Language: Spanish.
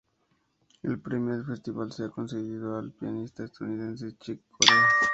El premio del festival se ha concedido al pianista estadounidense Chick Corea.